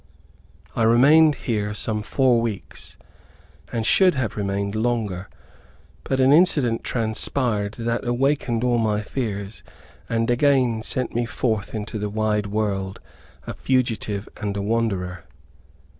I remained here some four weeks, and should have remained longer, but an incident transpired that awakened all my fears, and again sent me forth into the wide world, a fugitive, and a wanderer.